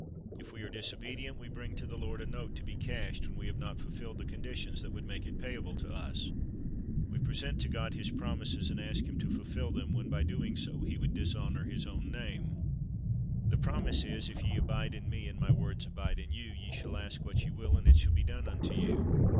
If we are disobedient, we bring to the Lord a note to be cashed when we have not fulfilled the conditions that would make it payable to us. We present to God His promises, and ask Him to fulfil them, when by so doing He would dishonor His own name. 1 John 14 : 15, 21 144 Christ's Object Lessons The promise is, "If ye abide in Me, and My words abide in you, ye shall ask what ye will, and it shall be done unto you."'